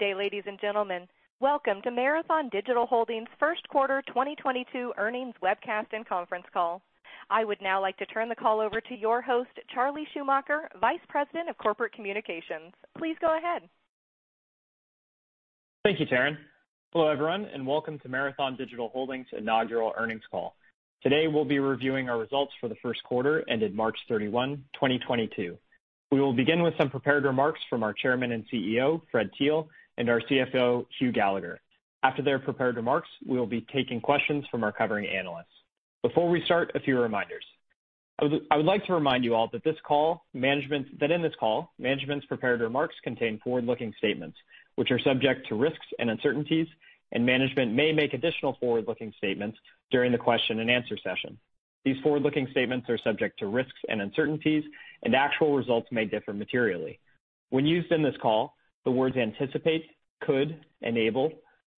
Good day, ladies and gentlemen. Welcome to Marathon Digital Holdings Q1 2022 earnings webcast and Conference Call. I would now like to turn the call over to your host, Charlie Schumacher, Vice President of Corporate Communications. Please go ahead. Thank you, Taryn. Hello, everyone, and welcome to Marathon Digital Holdings' inaugural earnings call. Today, we'll be reviewing our results for the Q1 ended March 31, 2022. We will begin with some prepared remarks from our Chairman and CEO, Fred Thiel, and our CFO, Hugh Gallagher. After their prepared remarks, we will be taking questions from our covering analysts. Before we start, a few reminders. I would like to remind you all that in this call, management's prepared remarks contain forward-looking statements, which are subject to risks and uncertainties, and management may make additional forward-looking statements during the question and answer session. These forward-looking statements are subject to risks and uncertainties, and actual results may differ materially. When used in this call, the words anticipate, could, enable,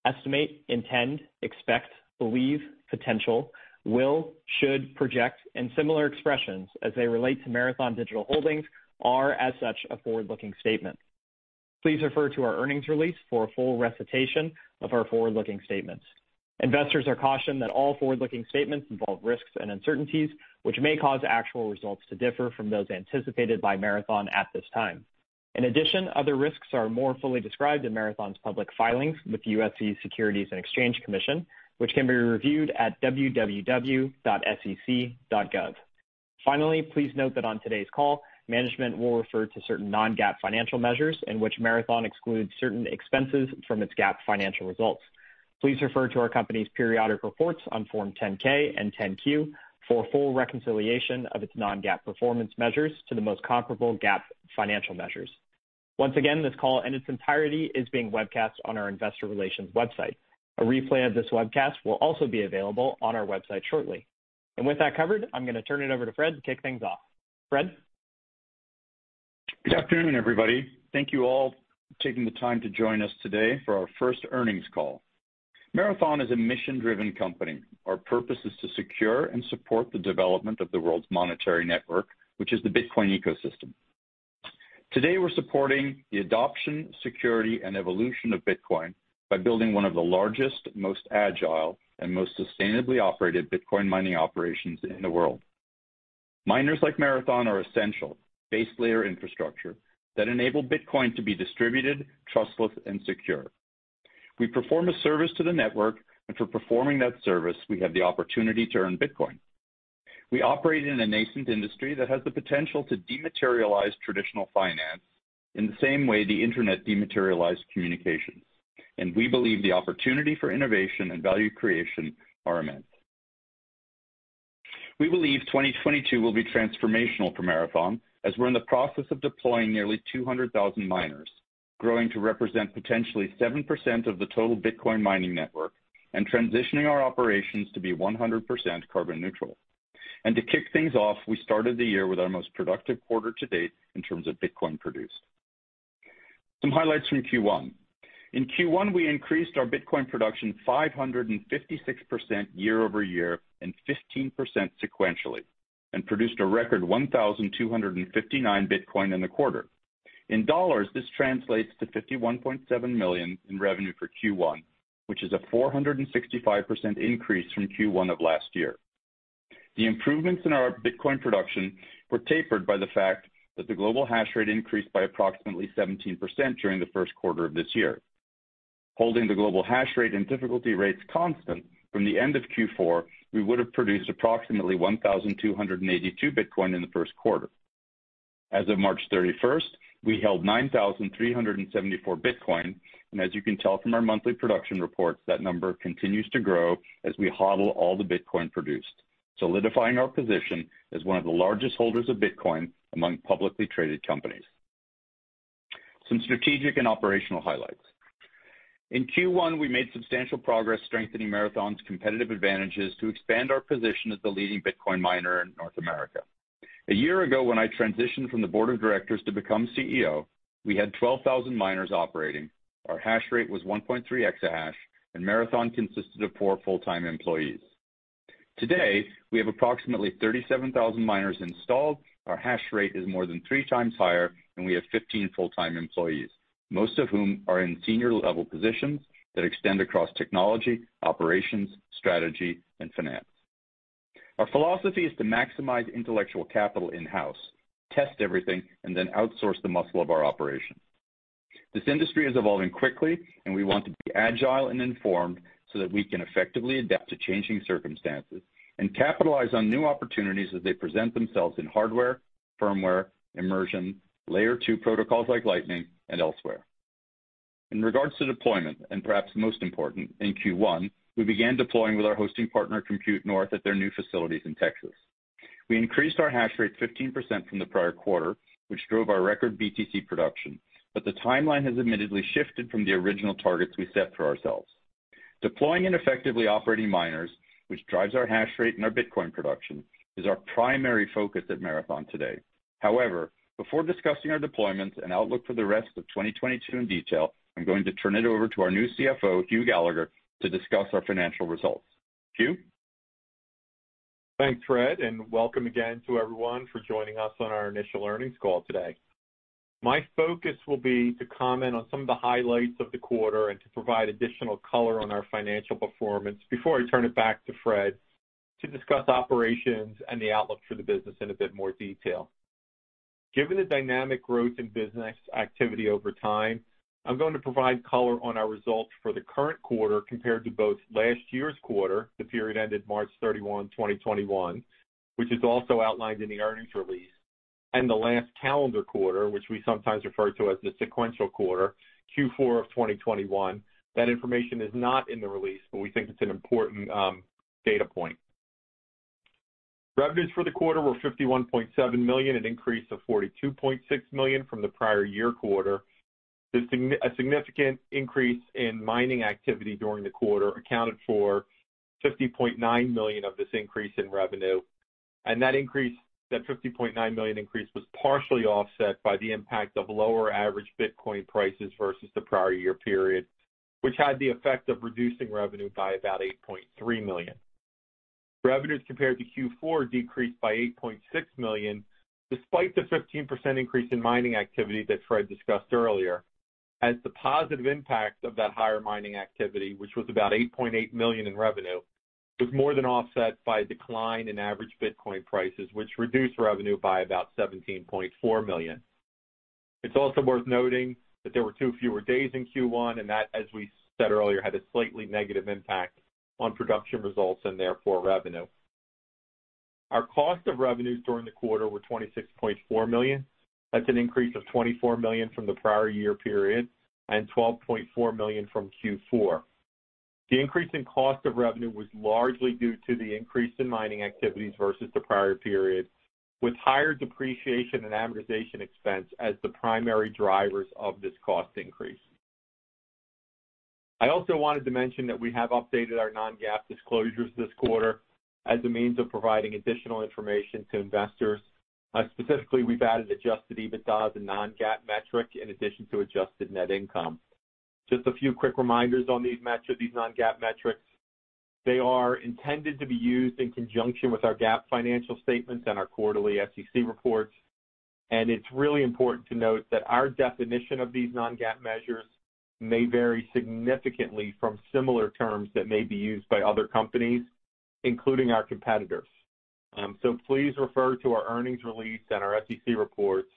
estimate, intend, expect, believe, potential, will, should, project, and similar expressions as they relate to Marathon Digital Holdings are, as such, a forward-looking statement. Please refer to our earnings release for a full recitation of our forward-looking statements. Investors are cautioned that all forward-looking statements involve risks and uncertainties, which may cause actual results to differ from those anticipated by Marathon at this time. In addition, other risks are more fully described in Marathon's public filings with the U.S. Securities and Exchange Commission, which can be reviewed at www.sec.gov. Finally, please note that on today's call, management will refer to certain non-GAAP financial measures in which Marathon excludes certain expenses from its GAAP financial results. Please refer to our company's periodic reports on Form 10-K and 10-Q for full reconciliation of its non-GAAP performance measures to the most comparable GAAP financial measures. Once again, this call in its entirety is being webcast on our investor relations website. A replay of this webcast will also be available on our website shortly. With that covered, I'm gonna turn it over to Fred to kick things off. Fred. Good afternoon, everybody. Thank you all for taking the time to join us today for our first earnings call. Marathon is a mission-driven company. Our purpose is to secure and support the development of the world's monetary network, which is the Bitcoin ecosystem. Today, we're supporting the adoption, security, and evolution of Bitcoin by building one of the largest, most agile, and most sustainably operated Bitcoin mining operations in the world. Miners like Marathon are essential base layer infrastructure that enable Bitcoin to be distributed, trustless, and secure. We perform a service to the network, and for performing that service, we have the opportunity to earn Bitcoin. We operate in a nascent industry that has the potential to dematerialize traditional finance in the same way the Internet dematerialized communications, and we believe the opportunity for innovation and value creation are immense. We believe 2022 will be transformational for Marathon, as we're in the process of deploying nearly 200,000 miners, growing to represent potentially 7% of the total Bitcoin mining network and transitioning our operations to be 100% carbon neutral. To kick things off, we started the year with our most productive quarter to date in terms of Bitcoin produced. Some highlights from Q1. In Q1, we increased our Bitcoin production 556% year-over-year and 15% sequentially, and produced a record 1,259 Bitcoin in the quarter. In dollars, this translates to $51.7 million in revenue for Q1, which is a 465% increase from Q1 of last year. The improvements in our Bitcoin production were tapered by the fact that the global hash rate increased by approximately 17% during the Q1 of this year. Holding the global hash rate and difficulty rates constant from the end of Q4, we would have produced approximately 1,282 Bitcoin in the Q1. As of March 31st, we held 9,374 Bitcoin, and as you can tell from our monthly production reports, that number continues to grow as we HODL all the Bitcoin produced, solidifying our position as one of the largest holders of Bitcoin among publicly traded companies. Some strategic and operational highlights. In Q1, we made substantial progress strengthening Marathon's competitive advantages to expand our position as the leading Bitcoin miner in North America. A year ago, when I transitioned from the board of directors to become CEO, we had 12,000 miners operating. Our hash rate was 1.3 exahash, and Marathon consisted of 4 full-time employees. Today, we have approximately 37,000 miners installed. Our hash rate is more than 3 times higher, and we have 15 full-time employees, most of whom are in senior-level positions that extend across technology, operations, strategy, and finance. Our philosophy is to maximize intellectual capital in-house, test everything, and then outsource the muscle of our operations. This industry is evolving quickly, and we want to be agile and informed so that we can effectively adapt to changing circumstances and capitalize on new opportunities as they present themselves in hardware, firmware, immersion, layer two protocols like Lightning and elsewhere. In regards to deployment, and perhaps most important, in Q1, we began deploying with our hosting partner Compute North at their new facilities in Texas. We increased our hash rate 15% from the prior quarter, which drove our record BTC production, but the timeline has admittedly shifted from the original targets we set for ourselves. Deploying and effectively operating miners, which drives our hash rate and our Bitcoin production, is our primary focus at Marathon today. However, before discussing our deployments and outlook for the rest of 2022 in detail, I'm going to turn it over to our new CFO, Hugh Gallagher, to discuss our financial results. Hugh? Thanks, Fred, and welcome again to everyone for joining us on our initial earnings call today. My focus will be to comment on some of the highlights of the quarter and to provide additional color on our financial performance before I turn it back to Fred to discuss operations and the outlook for the business in a bit more detail. Given the dynamic growth in business activity over time, I'm going to provide color on our results for the current quarter compared to both last year's quarter, the period ended March 31, 2021, which is also outlined in the earnings release, and the last calendar quarter, which we sometimes refer to as the sequential quarter, Q4 of 2021. That information is not in the release, but we think it's an important data point. Revenues for the quarter were $51.7 million, an increase of $42.6 million from the prior year quarter. The significant increase in mining activity during the quarter accounted for $50.9 million of this increase in revenue. That increase, that $50.9 million increase was partially offset by the impact of lower-average Bitcoin prices versus the prior year period, which had the effect of reducing revenue by about $8.3 million. Revenues compared to Q4 decreased by $8.6 million despite the 15% increase in mining activity that Fred discussed earlier, as the positive impact of that higher mining activity, which was about $8.8 million in revenue, was more than offset by a decline in average Bitcoin prices, which reduced revenue by about $17.4 million. It's also worth noting that there were 2 fewer days in Q1, and that, as we said earlier, had a slightly negative impact on production results and therefore revenue. Our cost of revenues during the quarter were $26.4 million. That's an increase of $24 million from the prior year period and $12.4 million from Q4. The increase in cost of revenue was largely due to the increase in mining activities versus the prior period, with higher-depreciation and amortization expense as the primary drivers of this cost increase. I also wanted to mention that we have updated our non-GAAP disclosures this quarter as a means of providing additional information to investors. Specifically, we've added adjusted EBITDA as a non-GAAP metric in addition to adjusted net income. Just a few quick reminders on these metrics, these non-GAAP metrics. They are intended to be used in conjunction with our GAAP financial statements and our quarterly SEC reports. It's really important to note that our definition of these non-GAAP measures may vary significantly from similar terms that may be used by other companies, including our competitors. Please refer to our earnings release and our SEC reports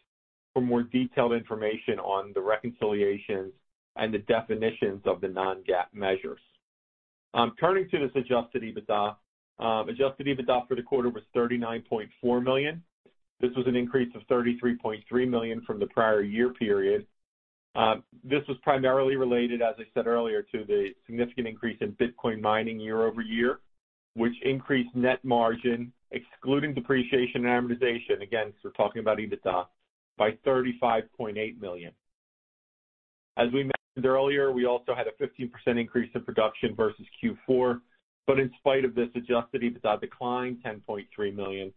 for more detailed information on the reconciliations and the definitions of the non-GAAP measures. Turning to this adjusted EBITDA. Adjusted EBITDA for the quarter was $39.4 million. This was an increase of $33.3 million from the prior year period. This was primarily related, as I said earlier, to the significant increase in Bitcoin mining year-over-year, which increased net margin, excluding depreciation and amortization. Again, we're talking about EBITDA by $35.8 million. As we mentioned earlier, we also had a 15% increase in production versus Q4, but in spite of this, adjusted EBITDA declined $10.3 million,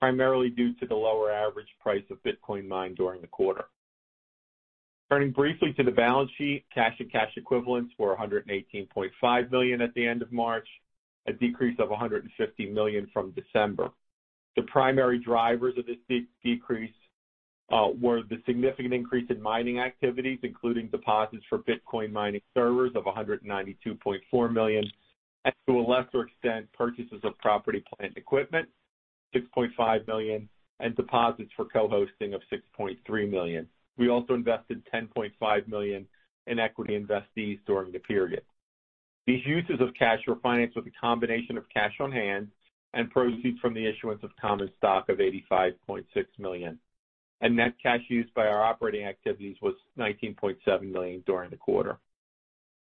primarily due to the lower-average price of Bitcoin mined during the quarter. Turning briefly to the balance sheet, cash and cash equivalents were $118.5 million at the end of March, a decrease of $150 million from December. The primary drivers of this decrease were the significant increase in mining activities, including deposits for Bitcoin mining servers of $192.4 million, and to a lesser extent, purchases of property, plant, and equipment, $6.5 million, and deposits for co-hosting of $6.3 million. We also invested $10.5 million in equity investees during the period. These uses of cash were financed with a combination of cash on hand and proceeds from the issuance of common stock of $85.6 million. Net cash used by our operating activities was $19.7 million during the quarter.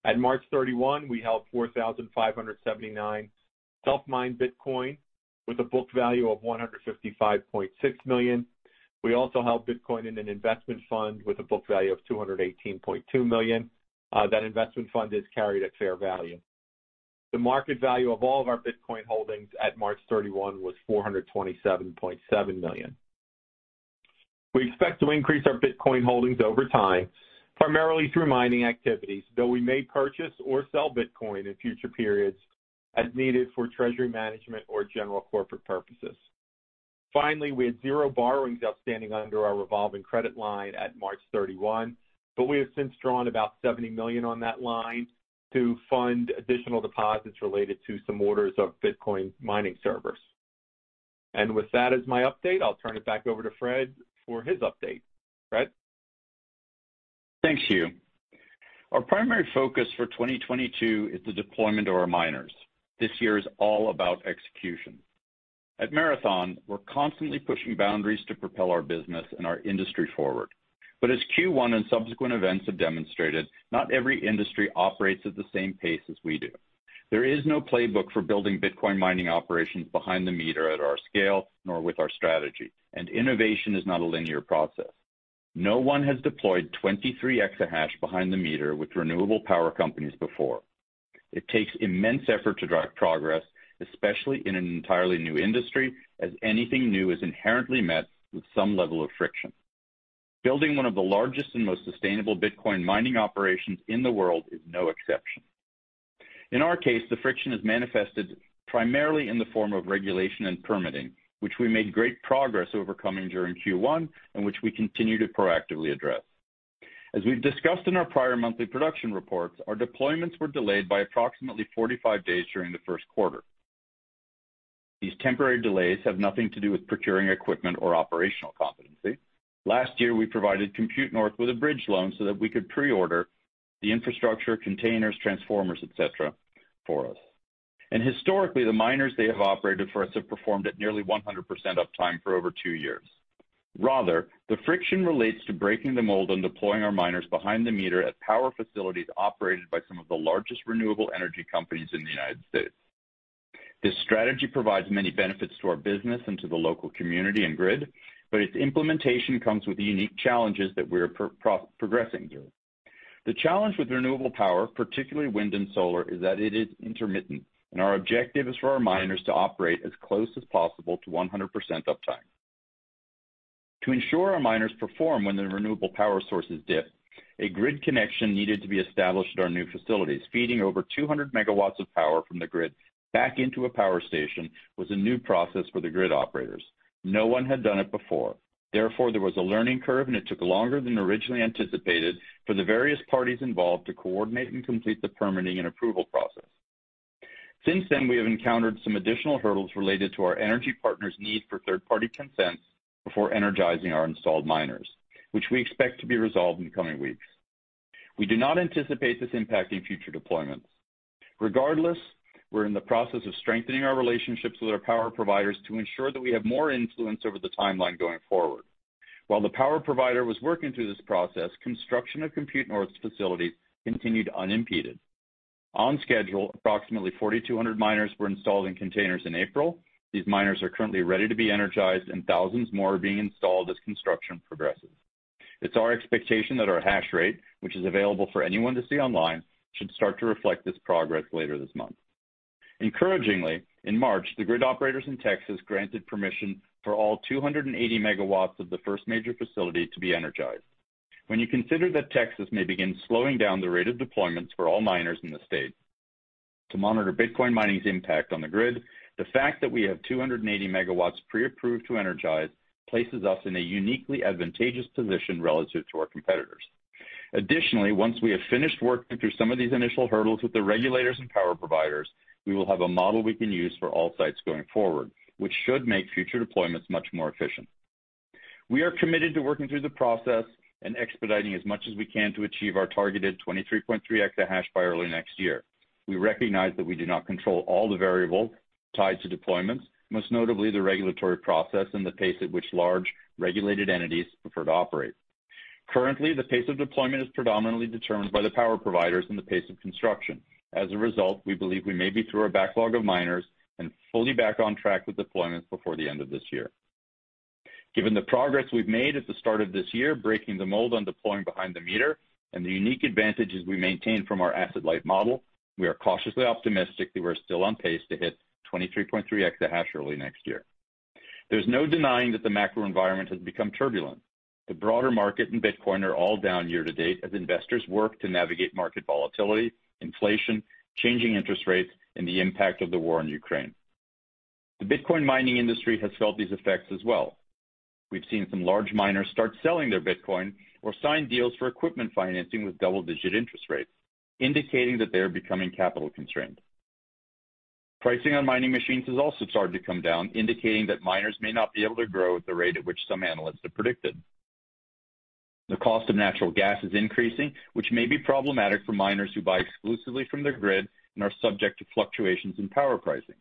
At March 31, we held 4,579 self-mined Bitcoin with a book value of $155.6 million. We also held Bitcoin in an investment fund with a book value of $218.2 million. That investment fund is carried at fair value. The market value of all of our Bitcoin holdings at March 31 was $427.7 million. We expect to increase our Bitcoin holdings over time, primarily through mining activities, though we may purchase or sell Bitcoin in future periods as needed for treasury management or general corporate purposes. Finally, we had zero borrowings outstanding under our revolving credit line at March 31, but we have since drawn about $70 million on that line to fund additional deposits related to some orders of Bitcoin mining servers. With that as my update, I'll turn it back over to Fred for his update. Fred? Thanks, Hugh. Our primary focus for 2022 is the deployment of our miners. This year is all about execution. At Marathon, we're constantly pushing boundaries to propel our business and our industry forward. As Q1 and subsequent events have demonstrated, not every industry operates at the same pace as we do. There is no playbook for building Bitcoin mining operations behind the meter at our scale, nor with our strategy, and innovation is not a linear process. No one has deployed 23 exahash behind the meter with renewable power companies before. It takes immense effort to drive progress, especially in an entirely new industry, as anything new is inherently met with some level of friction. Building one of the largest and most sustainable Bitcoin mining operations in the world is no exception. In our case, the friction is manifested primarily in the form of regulation and permitting, which we made great progress overcoming during Q1 and which we continue to proactively address. As we've discussed in our prior monthly production reports, our deployments were delayed by approximately 45 days during the Q1. These temporary delays have nothing to do with procuring equipment or operational competency. Last year, we provided Compute North with a bridge loan so that we could pre-order the infrastructure, containers, transformers, et cetera, for us. Historically, the miners they have operated for us have performed at nearly 100% uptime for over 2 years. Rather, the friction relates to breaking the mold on deploying our miners behind the meter at power facilities operated by some of the largest renewable energy companies in the United States. This strategy provides many benefits to our business and to the local community and grid, but its implementation comes with unique challenges that we're progressing through. The challenge with renewable power, particularly wind and solar, is that it is intermittent, and our objective is for our miners to operate as close as possible to 100% uptime. To ensure our miners perform when the renewable power sources dip, a grid connection needed to be established at our new facilities. Feeding over 200 MW of power from the grid back into a power station was a new process for the grid operators. No one had done it before. Therefore, there was a learning curve, and it took longer than originally anticipated for the various parties involved to coordinate and complete the permitting and approval process. Since then, we have encountered some additional hurdles related to our energy partners' need for third-party consents before energizing our installed miners, which we expect to be resolved in the coming weeks. We do not anticipate this impacting future deployments. Regardless, we're in the process of strengthening our relationships with our power providers to ensure that we have more influence over the timeline going forward. While the power provider was working through this process, construction of Compute North's facilities continued unimpeded. On schedule, approximately 4,200 miners were installed in containers in April. These miners are currently ready to be energized, and thousands more are being installed as construction progresses. It's our expectation that our hash rate, which is available for anyone to see online, should start to reflect this progress later this month. Encouragingly, in March, the grid operators in Texas granted permission for all 280 megawatts of the first major facility to be energized. When you consider that Texas may begin slowing down the rate of deployments for all miners in the state to monitor Bitcoin mining's impact on the grid, the fact that we have 280 megawatts pre-approved to energize places us in a uniquely advantageous position relative to our competitors. Additionally, once we have finished working through some of these initial hurdles with the regulators and power providers, we will have a model we can use for all sites going forward, which should make future deployments much more efficient. We are committed to working through the process and expediting as much as we can to achieve our targeted 23.3 exahash by early next year. We recognize that we do not control all the variables tied to deployments, most notably the regulatory process and the pace at which large regulated entities prefer to operate. Currently, the pace of deployment is predominantly determined by the power providers and the pace of construction. As a result, we believe we may be through our backlog of miners and fully back on track with deployments before the end of this year. Given the progress we've made at the start of this year, breaking the mold on deploying behind the meter and the unique advantages we maintain from our asset-light model, we are cautiously optimistic that we're still on pace to hit 23.3 exahash early next year. There's no denying that the macro environment has become turbulent. The broader market and Bitcoin are all down year-to-date as investors work to navigate market volatility, inflation, changing interest rates, and the impact of the war in Ukraine. The Bitcoin mining industry has felt these effects as well. We've seen some large miners start selling their Bitcoin or sign deals for equipment financing with double-digit interest rates, indicating that they are becoming capital constrained. Pricing on mining machines has also started to come down, indicating that miners may not be able to grow at the rate at which some analysts have predicted. The cost of natural gas is increasing, which may be problematic for miners who buy exclusively from their grid and are subject to fluctuations in power pricing.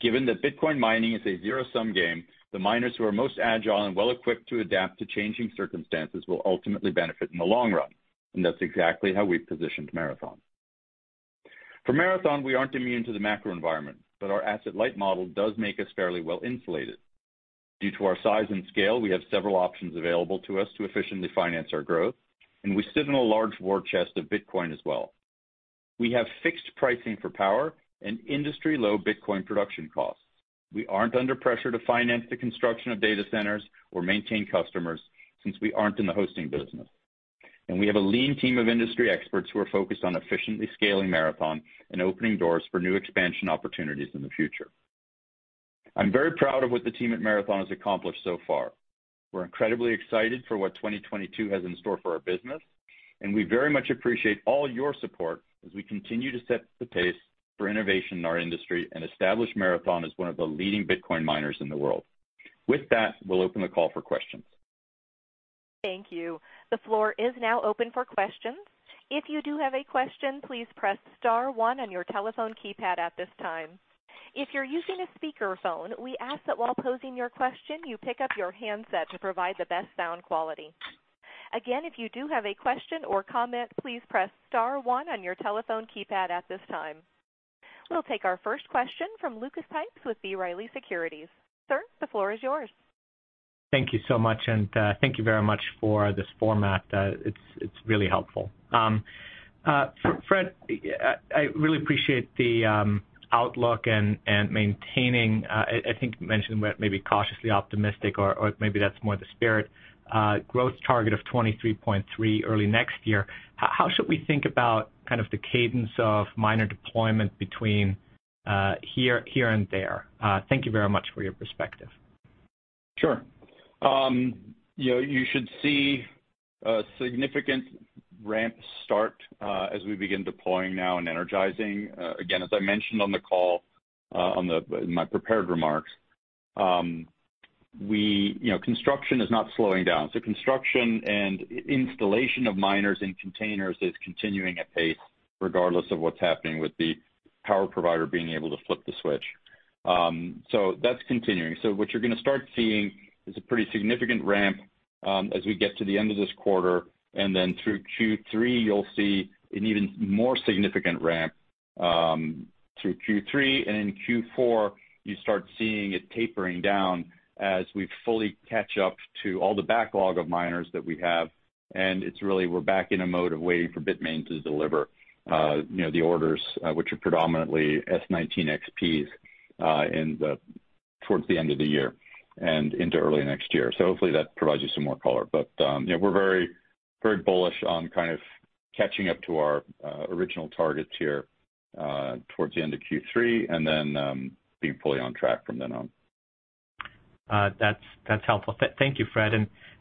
Given that Bitcoin mining is a zero-sum game, the miners who are most agile and well-equipped to adapt to changing circumstances will ultimately benefit in the long-run, and that's exactly how we've positioned Marathon. For Marathon, we aren't immune to the macro environment, but our asset-light model does make us fairly well-insulated. Due to our size and scale, we have several options available to us to efficiently finance our growth, and we sit on a large war chest of Bitcoin as well. We have fixed pricing for power and industry-low Bitcoin production costs. We aren't under pressure to finance the construction of data centers or maintain customers since we aren't in the hosting business. We have a lean team of industry experts who are focused on efficiently scaling Marathon and opening doors for new expansion opportunities in the future. I'm very proud of what the team at Marathon has accomplished so far. We're incredibly excited for what 2022 has in store for our business, and we very much appreciate all your support as we continue to set the pace for innovation in our industry and establish Marathon as one of the leading Bitcoin miners in the world. With that, we'll open the call for questions. Thank you. The floor is now open for questions. If you do have a question, please press star one on your telephone keypad at this time. If you're using a speakerphone, we ask that while posing your question, you pick up your handset to provide the best sound quality. Again, if you do have a question or comment, please press star one on your telephone keypad at this time. We'll take our first question from Lucas Pipes with B. Riley Securities. Sir, the floor is yours. Thank you so much, thank you very much for this format. It's really helpful. Fred, I really appreciate the outlook and maintaining, I think you mentioned maybe cautiously optimistic or maybe that's more the spirit, growth target of 23.3% early next year. How should we think about kind of the cadence of miner deployment between here and there? Thank you very much for your perspective. Sure. You know, you should see a significant ramp start as we begin deploying now and energizing. Again, as I mentioned on the call, in my prepared remarks, you know, construction is not slowing down. Construction and installation of miners in containers is continuing at pace regardless of what's happening with the power provider being able to flip the switch. That's continuing. What you're gonna start seeing is a pretty significant ramp as we get to the end of this quarter, and then through Q3, you'll see an even more significant ramp through Q3. In Q4, you start seeing it tapering down as we fully catch up to all the backlog of miners that we have, and it's really we're back in a mode of waiting for Bitmain to deliver, you know, the orders, which are predominantly S19 XPs, towards the end of the year and into early next year. Hopefully that provides you some more color. You know, we're very, very bullish on kind of catching up to our original targets here, towards the end of Q3, and then, being fully on track from then on. That's helpful. Thank you, Fred.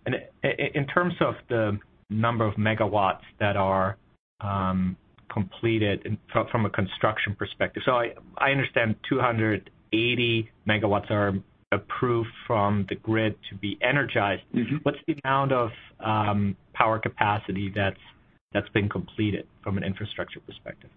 In terms of the number of megawatts that are completed and from a construction perspective. I understand 280 megawatts are approved from the grid to be energized. Mm-hmm. What's the amount of power capacity that's been completed from an infrastructure perspective?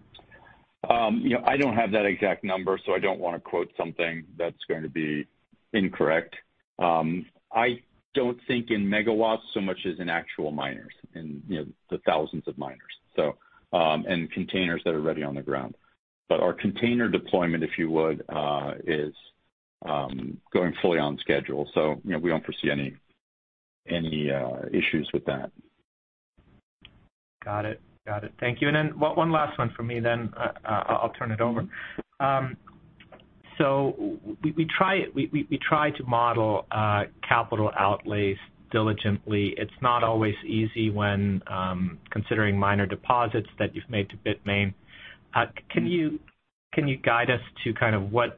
You know, I don't have that exact number, so I don't wanna quote something that's going to be incorrect. I don't think in megawatts so much as in actual miners and, you know, the thousands of miners, so, and containers that are already on the ground. Our container deployment, if you would, is going fully on schedule. You know, we don't foresee any issues with that. Got it. Thank you. One last one for me then, I'll turn it over. We try to model capital outlays diligently. It's not always easy when considering miner deposits that you've made to Bitmain. Can you guide us to kind of what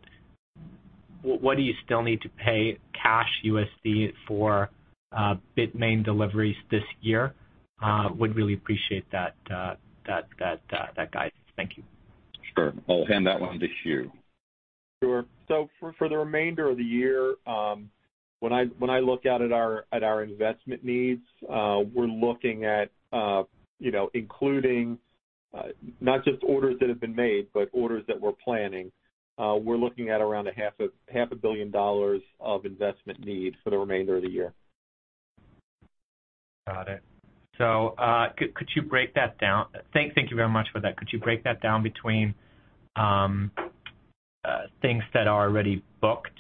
you still need to pay cash USD for Bitmain deliveries this year? Would really appreciate that guidance. Thank you. Sure. I'll hand that one to Hugh. Sure. For the remainder of the year, when I look out at our investment needs, we're looking at, you know, including not just orders that have been made, but orders that we're planning. We're looking at around half a billion dollars of investment needs for the remainder of the year. Got it. Could you break that down? Thank you very much for that. Could you break that down between things that are already booked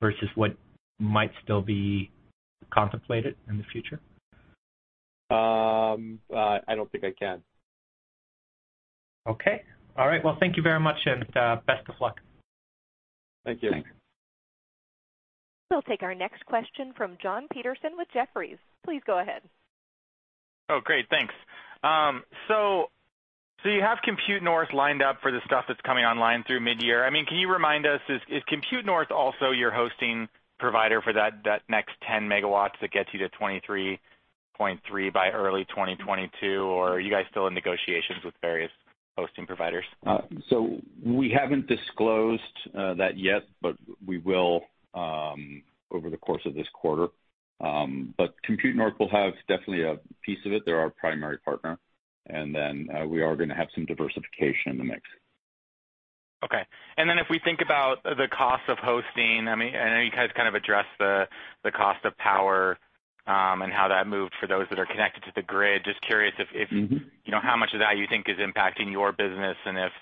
versus what might still be contemplated in the future? I don't think I can. Okay. All right. Well, thank you very much, and best of luck. Thank you. Thanks. We'll take our next question from John Todaro with Jefferies. Please go ahead. Oh, great. Thanks. You have Compute North lined up for the stuff that's coming online through midyear. I mean, can you remind us, is Compute North also your hosting provider for that next 10 MW that gets you to 23.3 by early 2022? Or are you guys still in negotiations with various hosting providers? We haven't disclosed that yet, but we will over the course of this quarter. Compute North will have definitely a piece of it. They're our primary partner. We are gonna have some diversification in the mix. Okay. If we think about the cost of hosting, I mean, I know you guys kind of addressed the cost of power, and how that moved for those that are connected to the grid. Just curious if- Mm-hmm. You know, how much of that you think is impacting your business and if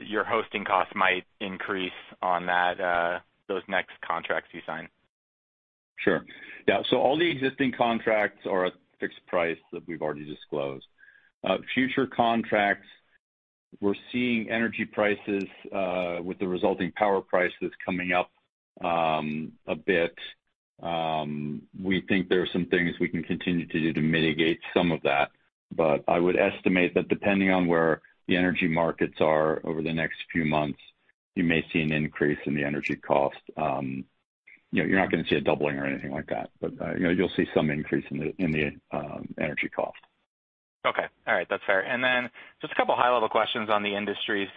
your hosting costs might increase on that, those next contracts you sign? Sure. Yeah. All the existing contracts are at fixed price that we've already disclosed. Future contracts, we're seeing energy prices with the resulting power prices coming up a bit. We think there are some things we can continue to do to mitigate some of that. I would estimate that depending on where the energy markets are over the next few months, you may see an increase in the energy cost. You know, you're not gonna see a doubling or anything like that, but you know, you'll see some increase in the energy cost. Okay. All right. That's fair. Just a couple of high-level questions on the industry.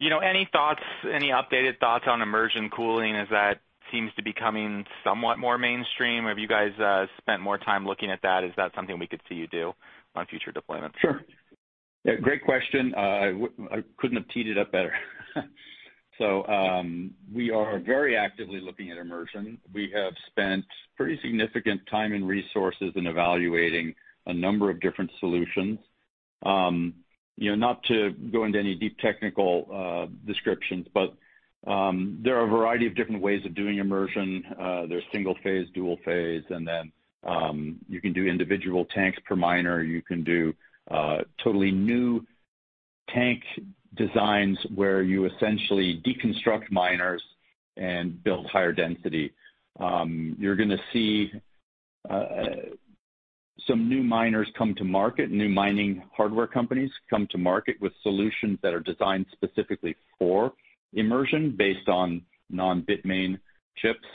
You know, any thoughts, any updated thoughts on immersion cooling as that seems to be coming somewhat more mainstream? Have you guys spent more time looking at that? Is that something we could see you do on future deployments? Sure. Yeah, great question. I couldn't have teed it up better. We are very actively looking at immersion. We have spent pretty significant time and resources in evaluating a number of different solutions. You know, not to go into any deep technical descriptions, but there are a variety of different ways of doing immersion. There's single-phase, two-phase, and then you can do individual tanks per miner, you can do totally new tank designs where you essentially deconstruct miners and build higher-density. You're gonna see some new miners come to market, new mining hardware companies come to market with solutions that are designed specifically for immersion based on non-Bitmain chips.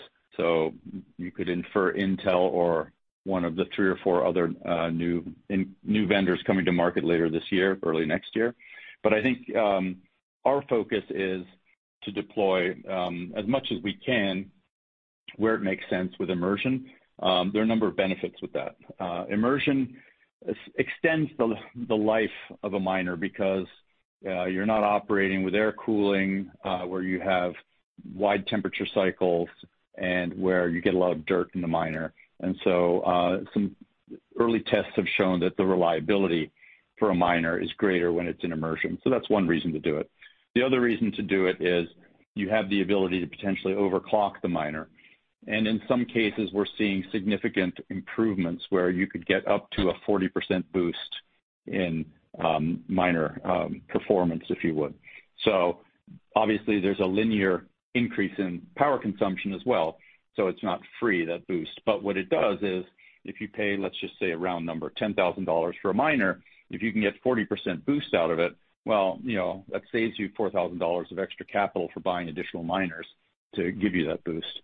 You could infer Intel or one of the three or four other new vendors coming to market later this year, early next year. I think our focus is to deploy as much as we can where it makes sense with immersion. There are a number of benefits with that. Immersion extends the life of a miner because you're not operating with air cooling, where you have wide temperature cycles and where you get a lot of dirt in the miner. Some early tests have shown that the reliability for a miner is greater when it's in immersion. That's one reason to do it. The other reason to do it is you have the ability to potentially overclock the miner. In some cases, we're seeing significant improvements where you could get up to a 40% boost in miner performance, if you would. Obviously, there's a linear increase in power consumption as well, so it's not free, that boost. What it does is if you pay, let's just say a round number, $10,000 for a miner, if you can get 40% boost out of it, well, you know, that saves you $4,000 of extra capital for buying additional miners to give you that boost.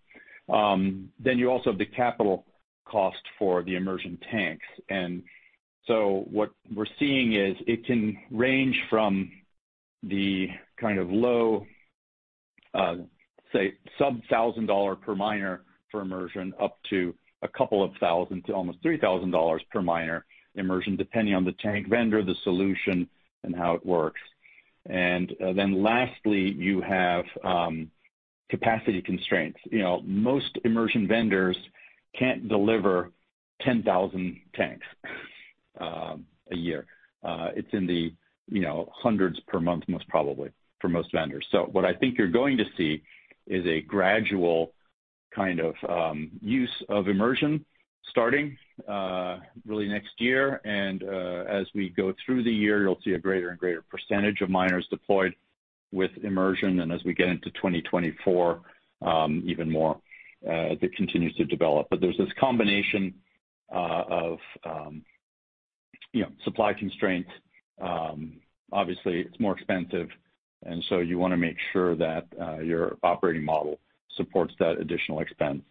You also have the capital cost for the immersion tanks. What we're seeing is it can range from the kind of low, say sub-$1,000 per miner for immersion, up to $2,000 to almost $3,000 per miner immersion, depending on the tank vendor, the solution, and how it works. Then lastly, you have capacity constraints. You know, most immersion vendors can't deliver 10,000 tanks a year. It's in the, you know, hundreds per month, most probably, for most vendors. What I think you're going to see is a gradual kind of use of immersion starting really next year. As we go through the year, you'll see a greater and greater percentage of miners deployed with immersion, and as we get into 2024, even more, as it continues to develop. There's this combination of you know, supply constraints. Obviously it's more expensive, and so you wanna make sure that your operating model supports that additional expense.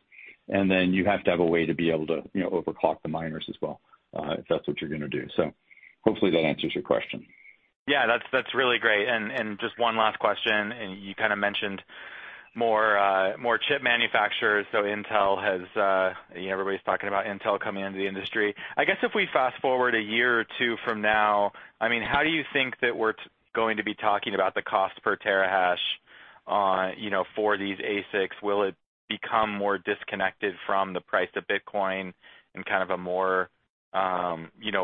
You have to have a way to be able to you know, overclock the miners as well, if that's what you're gonna do. Hopefully that answers your question. Yeah. That's really great. Just one last question. You kind of mentioned more chip manufacturers. Intel has... You know, everybody's talking about Intel coming into the industry. I guess if we fast-forward a year or two from now, how do you think that we're going to be talking about the cost per terahash, you know, for these ASICs? Will it become more disconnected from the price of Bitcoin in kind of a more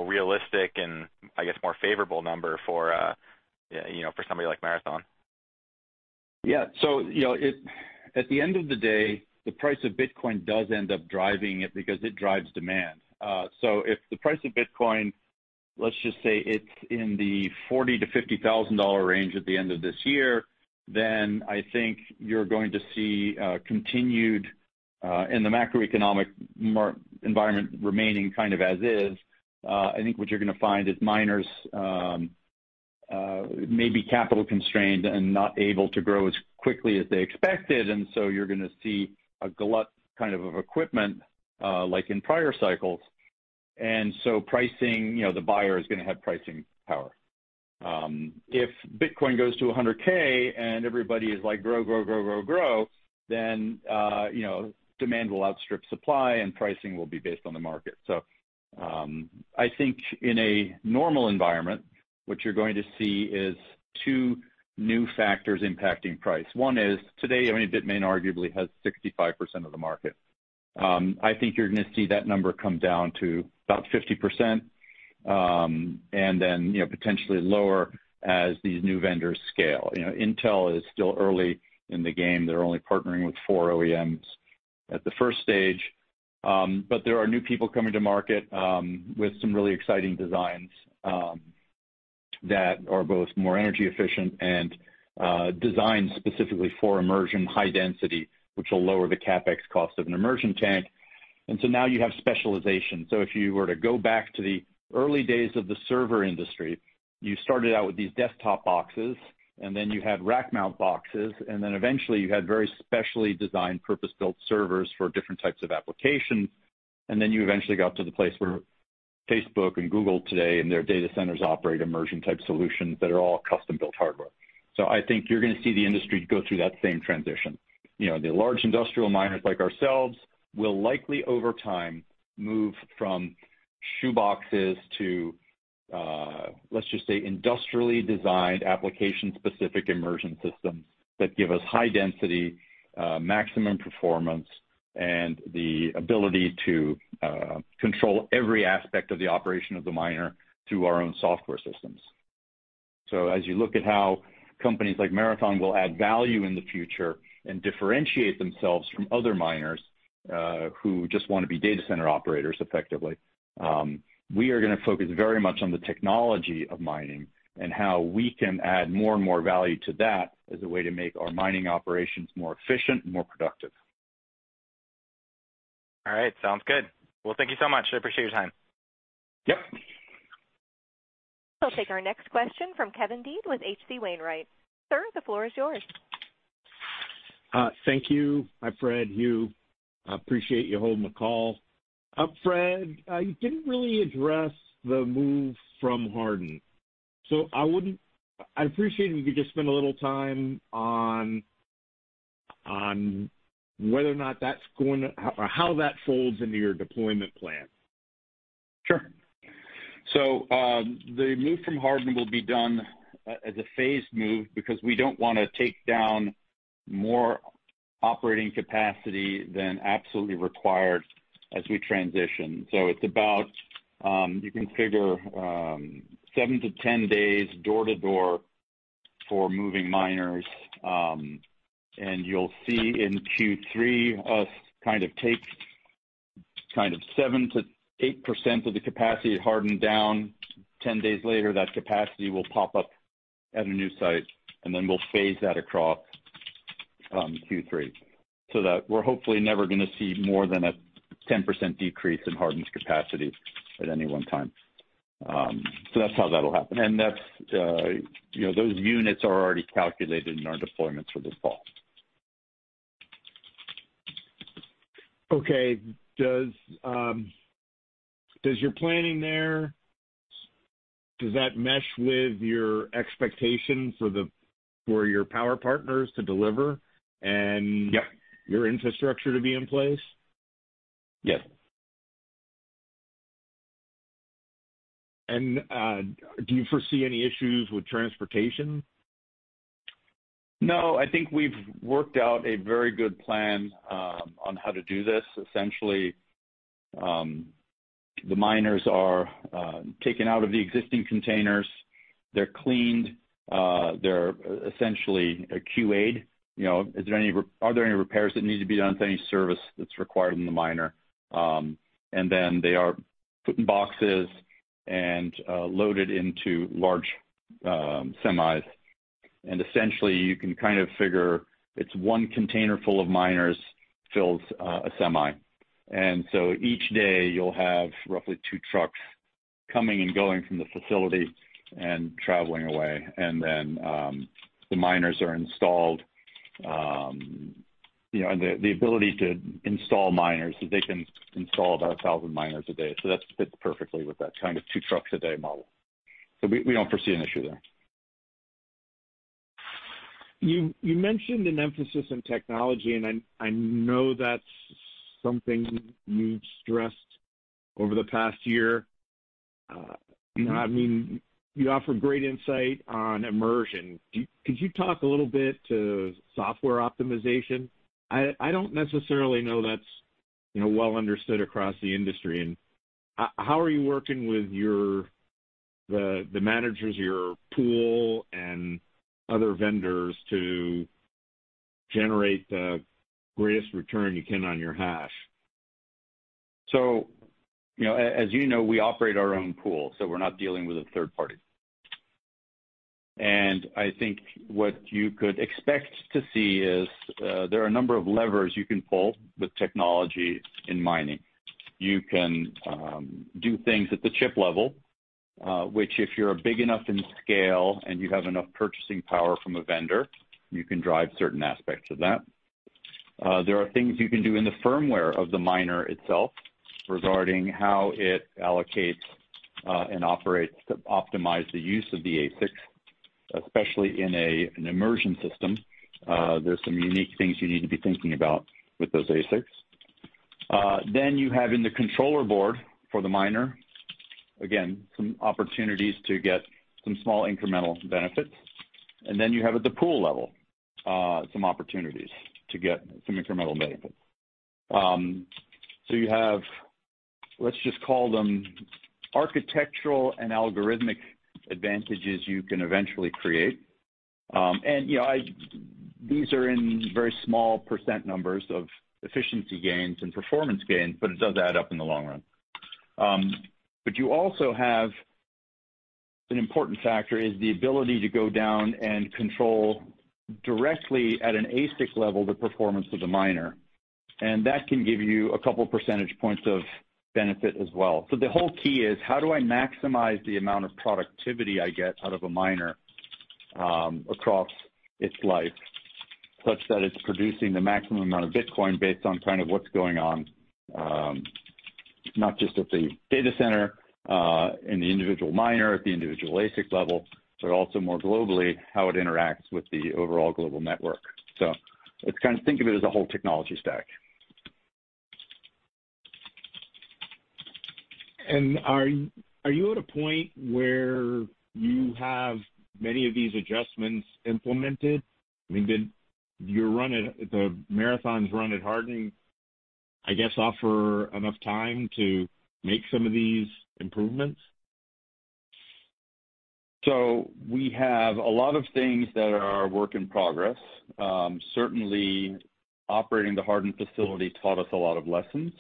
realistic and I guess more favorable number for, you know, for somebody like Marathon? Yeah. You know, at the end of the day, the price of Bitcoin does end up driving it because it drives demand. If the price of Bitcoin, let's just say it's in the $40,000-$50,000 range at the end of this year, then I think you're going to see continued in the macroeconomic environment remaining kind of as is. I think what you're gonna find is miners may be capital constrained and not able to grow as quickly as they expected, and you're gonna see a glut kind of of equipment like in prior cycles. Pricing, you know, the buyer is gonna have pricing power. If Bitcoin goes to $100K and everybody is like grow, then, you know, demand will outstrip supply and pricing will be based on the market. I think in a normal environment, what you're going to see is 2 new factors impacting price. One is, today, I mean, Bitmain arguably has 65% of the market. I think you're gonna see that number come down to about 50%, and then, you know, potentially lower as these new vendors scale. You know, Intel is still early in the game. They're only partnering with 4 OEMs at the first stage. But there are new people coming to market, with some really exciting designs, that are both more energy efficient and designed specifically for immersion high-density, which will lower the CapEx cost of an immersion tank. Now you have specialization. If you were to go back to the early days of the server industry, you started out with these desktop boxes, and then you had rack mount boxes, and then eventually you had very specially designed purpose-built servers for different types of applications. You eventually got to the place where Facebook and Google today and their data centers operate immersion type solutions that are all custom-built hardware. I think you're gonna see the industry go through that same transition. You know, the large industrial miners like ourselves will likely, over time, move from shoe boxes to, let's just say industrially designed application-specific immersion systems that give us high-density, maximum performance. The ability to control every aspect of the operation of the miner through our own software systems. as you look at how companies like Marathon will add value in the future and differentiate themselves from other miners, who just wanna be data center operators effectively, we are gonna focus very much on the technology of mining and how we can add more and more value to that as a way to make our mining operations more efficient and more productive. All right. Sounds good. Well, thank you so much. I appreciate your time. Yep. We'll take our next question from Kevin Dede with H.C. Wainwright & Co. Sir, the floor is yours. Thank you. Hi, Fred Thiel. I appreciate you holding the call. Fred, you didn't really address the move from Hardin. I'd appreciate it if you could just spend a little time on whether or not that's going to, how that folds into your deployment plan. Sure. The move from Hardin will be done as a phased move because we don't wanna take down more operating capacity than absolutely required as we transition. It's about, you can figure, 7-10 days door-to-door for moving miners, and you'll see in Q3 us kind of take 7%-8% of the capacity at Hardin down. 10 days later, that capacity will pop up at a new site, and then we'll phase that across Q3 so that we're hopefully never gonna see more than a 10% decrease in Hardin's capacity at any one time. That's how that'll happen. That's, you know, those units are already calculated in our deployments for this fall. Okay. Does your planning there mesh with your expectations for your power partners to deliver and- Yep. Your infrastructure to be in place? Yes. Do you foresee any issues with transportation? No, I think we've worked out a very good plan on how to do this. Essentially, the miners are taken out of the existing containers. They're cleaned. They're essentially QA'd. You know, are there any repairs that need to be done? If any service that's required in the miner. Then they are put in boxes and loaded into large semis. Essentially, you can kind of figure it's one container full of miners fills a semi. Each day you'll have roughly two trucks coming and going from the facility and traveling away. Then the miners are installed, you know, and the ability to install miners, so they can install about 1,000 miners a day. That fits perfectly with that kind of two trucks a day model. We don't foresee an issue there. You mentioned an emphasis on technology, and I know that's something you've stressed over the past year. You know, I mean, you offer great insight on immersion. Could you talk a little bit to software optimization? I don't necessarily know that's, you know, well understood across the industry. How are you working with your, the managers, your pool and other vendors to generate the greatest return you can on your hash? You know, as you know, we operate our own pool, so we're not dealing with a third party. I think what you could expect to see is, there are a number of levers you can pull with technology in mining. You can do things at the chip level, which if you're big enough in scale and you have enough purchasing power from a vendor, you can drive certain aspects of that. There are things you can do in the firmware of the miner itself regarding how it allocates and operates to optimize the use of the ASIC, especially in an immersion system. There's some unique things you need to be thinking about with those ASICs. Then you have in the controller board for the miner, again, some opportunities to get some small incremental benefits. You have at the pool level, some opportunities to get some incremental benefits. You have, let's just call them architectural and algorithmic advantages you can eventually create. These are in very small percent numbers of efficiency gains and performance gains, but it does add up in the long-run. You also have an important factor is the ability to go down and control directly at an ASIC level, the performance of the miner, and that can give you a couple percentage points of benefit as well. The whole key is how do I maximize the amount of productivity I get out of a miner, across its life such that it's producing the maximum amount of Bitcoin based on kind of what's going on, not just at the data center, in the individual miner at the individual ASIC level, but also more globally, how it interacts with the overall global network. Let's kind of think of it as a whole technology stack. Are you at a point where you have many of these adjustments implemented? I mean, you run it, the Marathon's run at Hardin, I guess, offer enough time to make some of these improvements? We have a lot of things that are work in progress. Certainly operating the Hardin facility taught us a lot of lessons,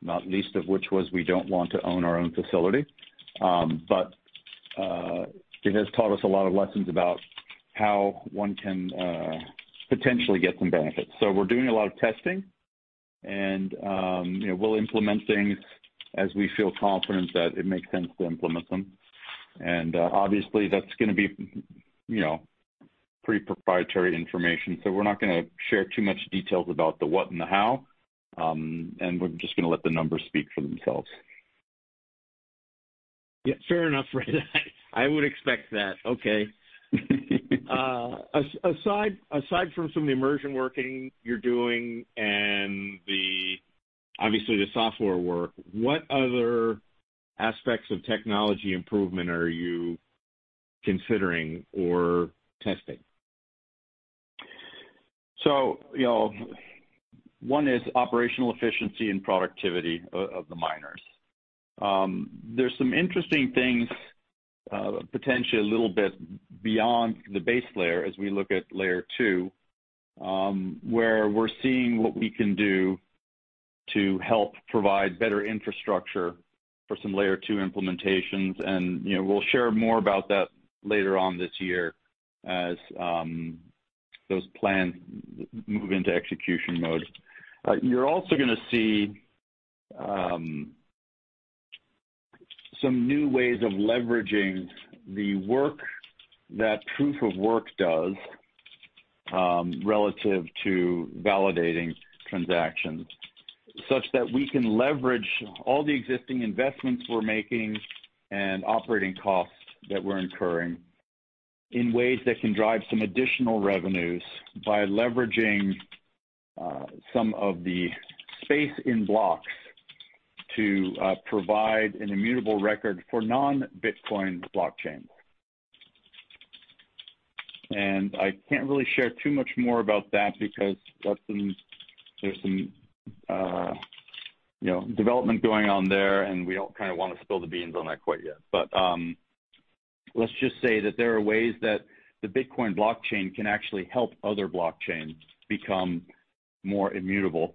not least of which was we don't want to own our own facility. It has taught us a lot of lessons about how one can potentially get some benefits. We're doing a lot of testing, and you know, we'll implement things as we feel confident that it makes sense to implement them. Obviously that's gonna be you know, pretty proprietary information, so we're not gonna share too much details about the what and the how, and we're just gonna let the numbers speak for themselves. Yeah, fair enough, Fred. I would expect that. Okay. Aside from some of the immersion work you're doing and, obviously, the software work, what other aspects of technology improvement are you considering or testing? You know, one is operational efficiency and productivity of the miners. There's some interesting things, potentially a little bit beyond the base layer as we look at layer two, where we're seeing what we can do to help provide better infrastructure for some layer two implementations. You know, we'll share more about that later on this year as those plans move into execution mode. You're also gonna see some new ways of leveraging the work that proof of work does, relative to validating transactions, such that we can leverage all the existing investments we're making and operating costs that we're incurring in ways that can drive some additional revenues by leveraging some of the space in blocks to provide an immutable record for non-Bitcoin blockchain. I can't really share too much more about that because that's some. There's some, you know, development going on there, and we don't kinda wanna spill the beans on that quite yet. Let's just say that there are ways that the Bitcoin blockchain can actually help other blockchains become more immutable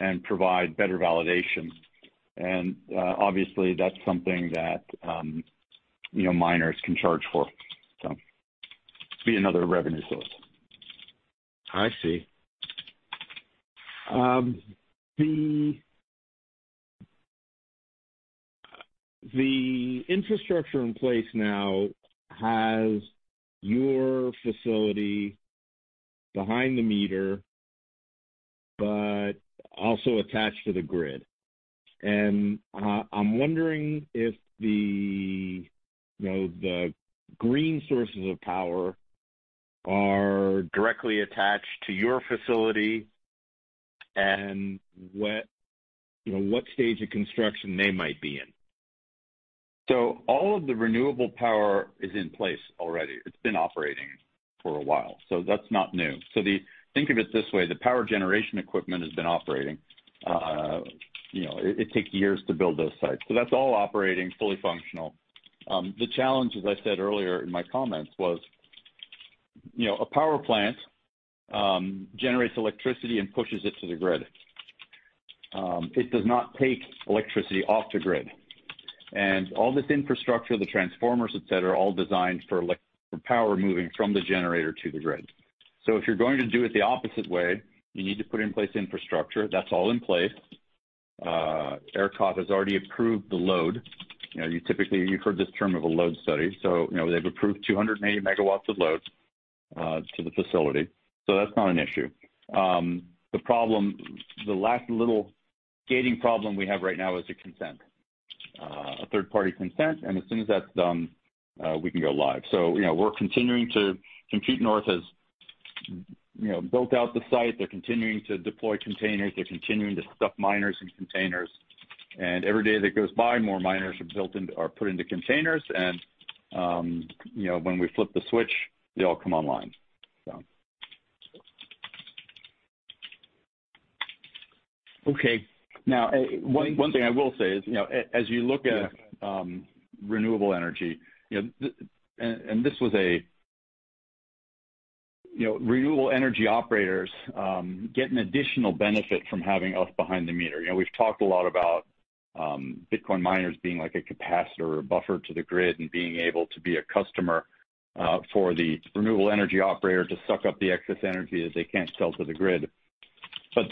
and provide better validation. Obviously, that's something that, you know, miners can charge for. Be another revenue source. I see. The infrastructure in place now has your facility behind the meter, but also attached to the grid. I'm wondering if the, you know, the green sources of power are directly attached to your facility and what, you know, what stage of construction they might be in. All of the renewable power is in place already. It's been operating for a while. That's not new. Think of it this way, the power generation equipment has been operating. It takes years to build those sites. That's all operating, fully functional. The challenge, as I said earlier in my comments, was, a power plant generates electricity and pushes it to the grid. It does not take electricity off the grid. All this infrastructure, the transformers, et cetera, are all designed for power moving from the generator to the grid. If you're going to do it the opposite way, you need to put in place infrastructure. That's all in place. ERCOT has already approved the load. You've heard this term, a load study. They've approved 280 megawatts of load to the facility. That's not an issue. The problem, the last little gating problem we have right now is the consent, a third-party consent, and as soon as that's done, we can go live. You know, Compute North has built out the site. They're continuing to deploy containers. They're continuing to stuff miners in containers. And every day that goes by, more miners are put into containers, and, you know, when we flip the switch, they all come online. Okay. Now, One thing I will say is, you know, as you look at renewable energy, you know, renewable energy operators get an additional benefit from having us behind the meter. You know, we've talked a lot about Bitcoin miners being like a capacitor or buffer to the grid and being able to be a customer for the renewable energy operator to suck up the excess energy that they can't sell to the grid.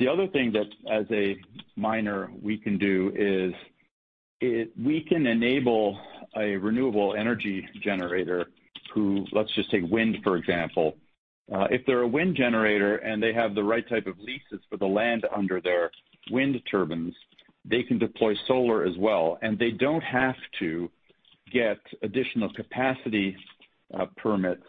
The other thing that as a miner we can do is we can enable a renewable energy generator who, let's just take wind, for example. If they're a wind generator and they have the right type of leases for the land under their wind turbines, they can deploy solar as well, and they don't have to get additional capacity permits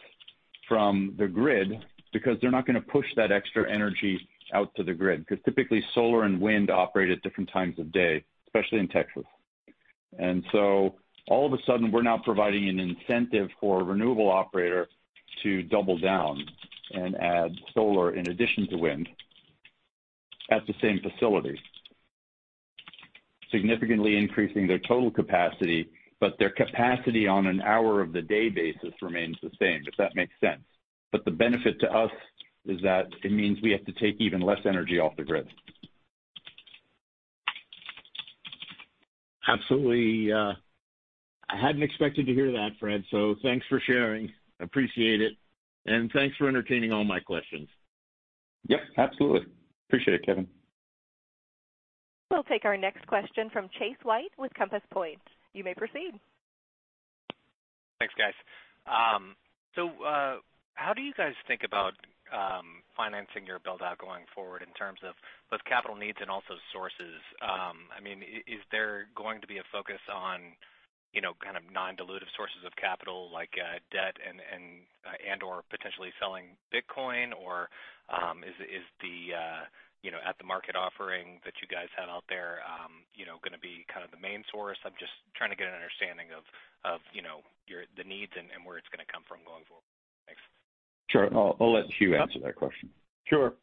from the grid because they're not gonna push that extra energy out to the grid. Because typically, solar and wind operate at different times of day, especially in Texas. All of a sudden, we're now providing an incentive for a renewable operator to double down and add solar in addition to wind at the same facility, significantly increasing their total capacity, but their capacity on an hour of the day basis remains the same, if that makes sense. The benefit to us is that it means we have to take even less energy off the grid. Absolutely. I hadn't expected to hear that, Fred, so thanks for sharing. Appreciate it, and thanks for entertaining all my questions. Yep, absolutely. Appreciate it, Kevin. We'll take our next question from Chase White with Compass Point. You may proceed. Thanks, guys. So, how do you guys think about financing your build-out going forward in terms of both capital needs and also sources? I mean, is there going to be a focus on, you know, kind of non-dilutive sources of capital like debt and/or potentially selling Bitcoin? Or, is the, you know, at-the-market offering that you guys have out there, you know, gonna be kind of the main source? I'm just trying to get an understanding of, you know, your needs and where it's gonna come from going forward. Thanks. Sure. I'll let Hugh answer that question. Sure.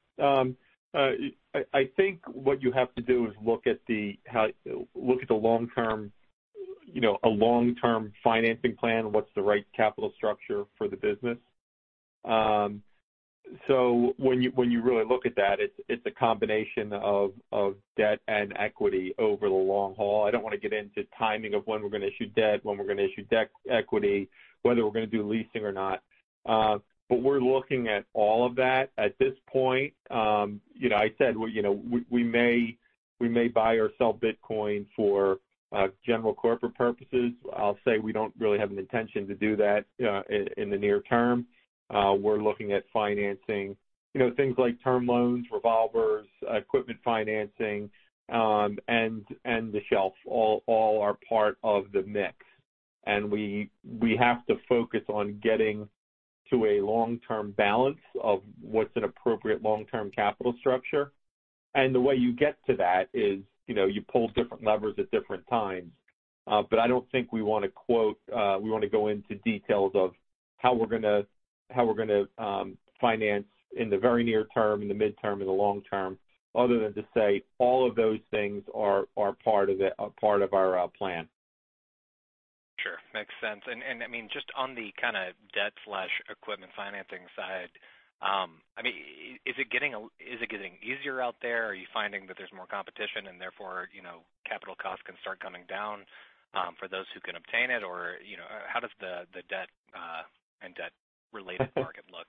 I think what you have to do is look at the long-term, you know, a long-term financing plan, what's the right capital structure for the business. When you really look at that, it's a combination of debt and equity over the long-haul. I don't wanna get into timing of when we're gonna issue debt, when we're gonna issue equity, whether we're gonna do leasing or not. We're looking at all of that. At this point, you know, I said, well, you know, we may buy or sell Bitcoin for general corporate purposes. I'll say we don't really have an intention to do that in the near term. We're looking at financing, you know, things like term loans, revolvers, equipment financing, and the shelf. All are part of the mix. We have to focus on getting to a long-term balance of what's an appropriate long-term capital structure. The way you get to that is, you know, you pull different levers at different times. But I don't think we wanna go into details of how we're gonna finance in the very near term, in the midterm, in the long-term, other than to say all of those things are part of it, part of our plan. Sure. Makes sense. I mean, just on the kinda debt/equipment financing side, is it getting easier out there? Are you finding that there's more competition and therefore, you know, capital costs can start coming down for those who can obtain it? Or, you know, how does the debt and debt-related market look?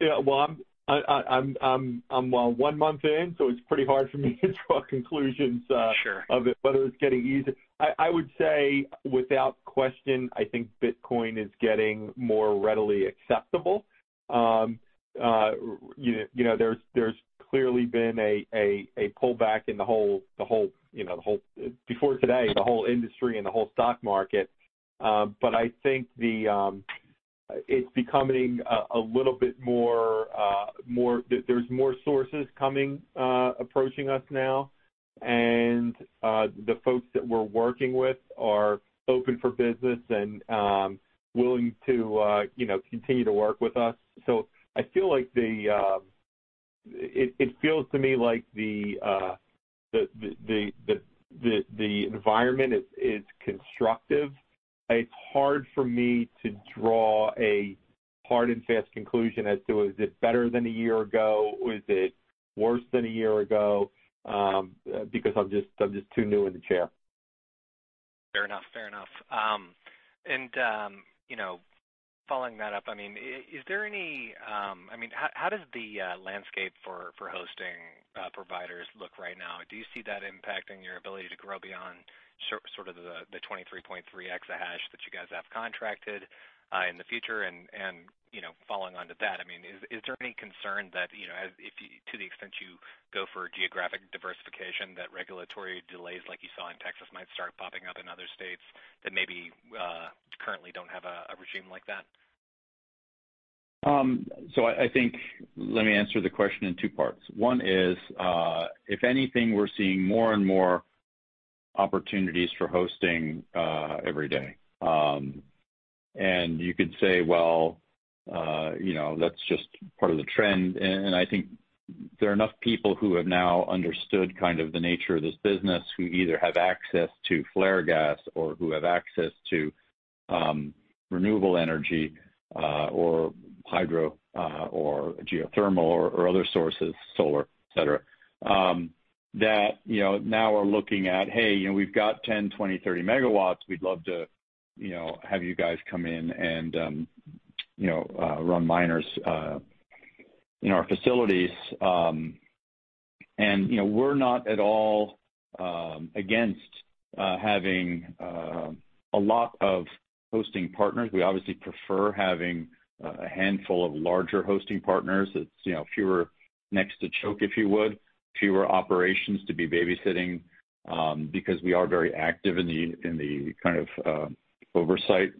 Yeah. Well, I'm well, one month in, so it's pretty hard for me to draw conclusions. Sure... of it, whether it's getting easy. I would say, without question, I think Bitcoin is getting more readily acceptable. You know, there's clearly been a pullback in the whole industry and the whole stock market before today. I think it's becoming a little bit more. There's more sources coming approaching us now. The folks that we're working with are open for business and willing to continue to work with us. I feel like it feels to me like the environment is constructive. It's hard for me to draw a hard and fast conclusion as to is it better than a year ago, is it worse than a year ago, because I'm just too new in the chair. Fair enough. You know, following that up, I mean, is there any? I mean, how does the landscape for hosting providers look right now? Do you see that impacting your ability to grow beyond sort of the 23.3 exahash that you guys have contracted in the future? You know, following on to that, I mean, is there any concern that, you know, as if you, to the extent you go for geographic diversification, that regulatory delays like you saw in Texas might start popping up in other states that maybe currently don't have a regime like that? I think let me answer the question in two parts. One is, if anything, we're seeing more and more opportunities for hosting every day. You could say, well, you know, that's just part of the trend. I think there are enough people who have now understood kind of the nature of this business, who either have access to flare gas or who have access to renewable energy or hydro or geothermal or other sources, solar, et cetera, that you know, now are looking at, hey, you know, we've got 10, 20, 30 megawatts, we'd love to, you know, have you guys come in and you know, run miners in our facilities. You know, we're not at all against having a lot of hosting partners. We obviously prefer having a handful of larger hosting partners. It's, you know, fewer necks to choke, if you would. Fewer operations to be babysitting, because we are very active in the kind of oversight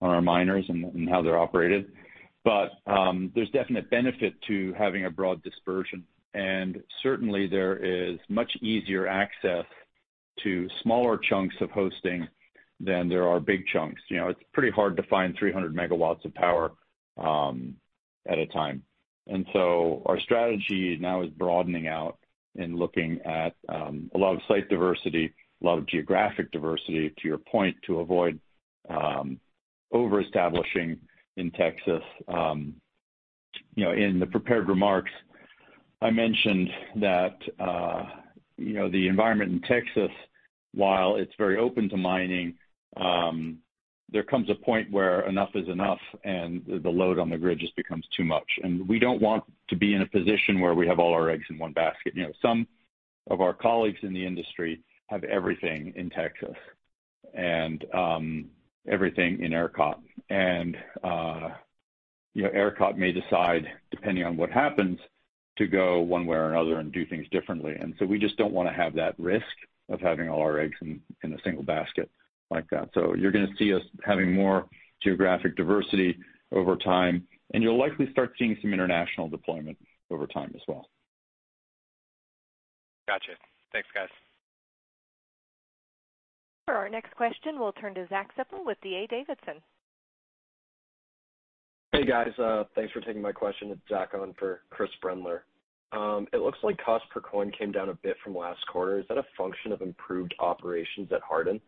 on our miners and how they're operated. But there's definite benefit to having a broad dispersion, and certainly there is much easier access to smaller chunks of hosting than there are big chunks. You know, it's pretty hard to find 300 MW of power at a time. Our strategy now is broadening out and looking at a lot of site diversity, a lot of geographic diversity, to your point, to avoid over-establishing in Texas. You know, in the prepared remarks, I mentioned that the environment in Texas, while it's very open to mining, there comes a point where enough is enough and the load on the grid just becomes too much. We don't want to be in a position where we have all our eggs in one basket. You know, some of our colleagues in the industry have everything in Texas and everything in ERCOT. ERCOT may decide, depending on what happens, to go one way or another and do things differently. We just don't wanna have that risk of having all our eggs in a single basket like that. You're gonna see us having more geographic diversity over time, and you'll likely start seeing some international deployment over time as well. Gotcha. Thanks, guys. For our next question, we'll turn to Zach Seplow with D.A. Davidson. Hey, guys. Thanks for taking my question. It's Zach Seplow on for Chris Brendler. It looks like cost per coin came down a bit from last quarter. Is that a function of improved operations at Hardin?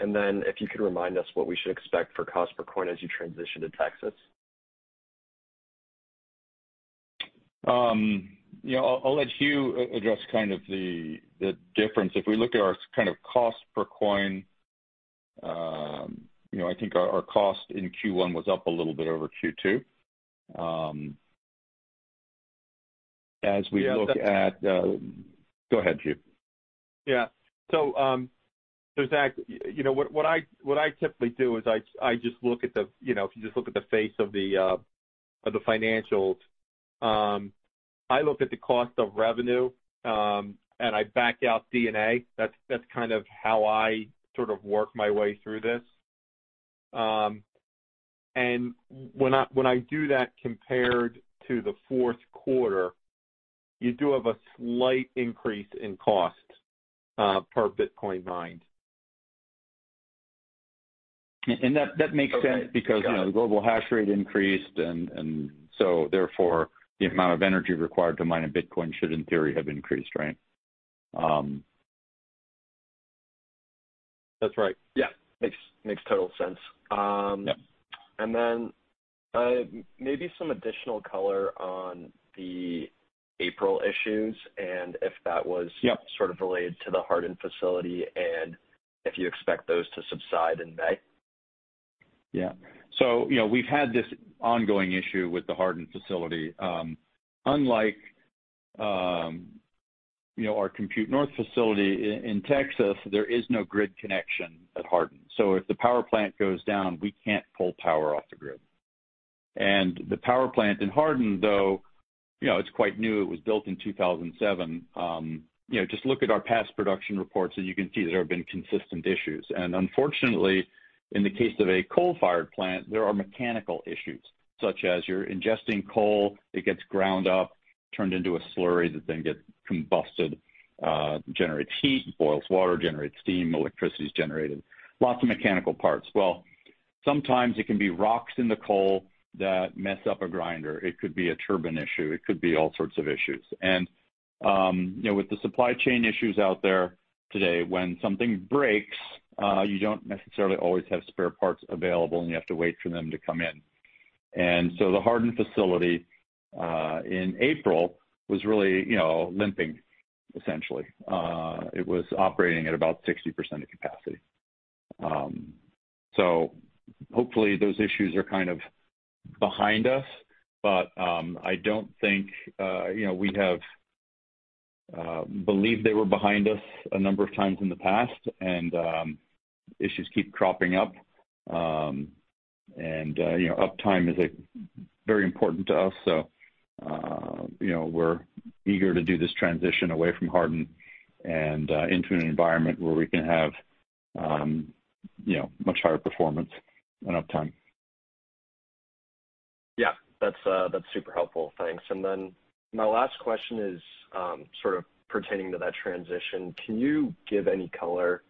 If you could remind us what we should expect for cost per coin as you transition to Texas. You know, I'll let Hugh address kind of the difference. If we look at our kind of cost per coin, you know, I think our cost in Q1 was up a little bit over Q2. Yeah. Go ahead, Hugh. Zach, you know, what I typically do is I just look at the, you know, if you just look at the face of the financials, I look at the cost of revenue, and I back out D&A. That's kind of how I sort of work my way through this. When I do that compared to the Q4, you do have a slight increase in cost per Bitcoin mined. That makes sense because, you know, the global hash rate increased and so therefore the amount of energy required to mine a Bitcoin should in theory have increased, right? That's right. Yeah. Makes total sense. Yep. Some additional color on the April issues and if that was. Yep Sort of related to the Hardin facility and if you expect those to subside in May? Yeah. You know, we've had this ongoing issue with the Hardin facility. Unlike you know, our Compute North facility in Texas, there is no grid connection at Hardin. If the power plant goes down, we can't pull power off the grid. The power plant in Hardin, though, you know, it's quite new, it was built in 2007, you know, just look at our past production reports and you can see there have been consistent issues. Unfortunately, in the case of a coal-fired plant, there are mechanical issues, such as you're ingesting coal, it gets ground up, turned into a slurry that then gets combusted, generates heat, boils water, generates steam, electricity is generated. Lots of mechanical parts. Well, sometimes it can be rocks in the coal that mess up a grinder. It could be a turbine issue. It could be all sorts of issues. You know, with the supply chain issues out there today, when something breaks, you don't necessarily always have spare parts available, and you have to wait for them to come in. The Hardin facility in April was really, you know, limping essentially. It was operating at about 60% of capacity. Hopefully those issues are kind of behind us, but I don't think, you know, we have believed they were behind us a number of times in the past and issues keep cropping up. You know, uptime is, like, very important to us, so you know, we're eager to do this transition away from Hardin and into an environment where we can have, you know, much higher performance and uptime. Yeah. That's super helpful. Thanks. My last question is, sort of pertaining to that transition. Can you give any color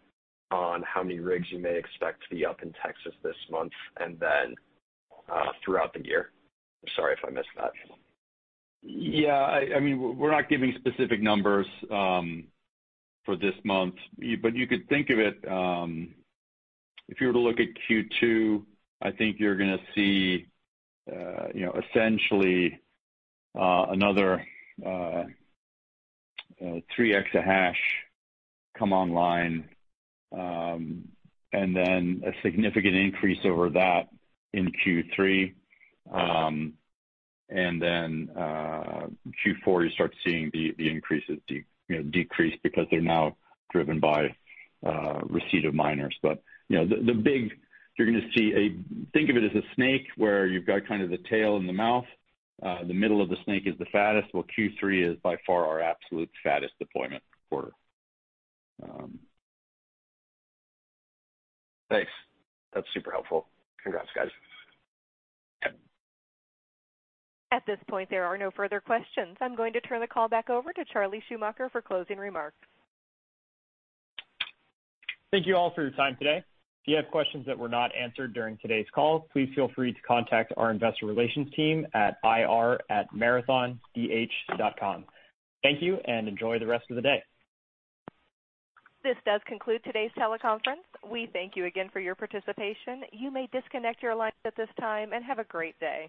on how many rigs you may expect to be up in Texas this month and then, throughout the year? Sorry if I missed that. Yeah, I mean, we're not giving specific numbers for this month. You could think of it if you were to look at Q2. I think you're gonna see, you know, essentially, another 3x exahash come online, and then a significant increase over that in Q3. Q4 you start seeing the increases decrease because they're now driven by receipt of miners. You know, think of it as a snake where you've got kind of the tail and the mouth. The middle of the snake is the fattest. Well, Q3 is by far our absolute fattest deployment quarter. Thanks. That's super helpful. Congrats, guys. Yeah. At this point, there are no further questions. I'm going to turn the call back over to Charlie Schumacher for closing remarks. Thank you all for your time today. If you have questions that were not answered during today's call, please feel free to contact our investor relations team at ir@marathondh.com. Thank you, and enjoy the rest of the day. This does conclude today's teleconference. We thank you again for your participation. You may disconnect your lines at this time, and have a great day.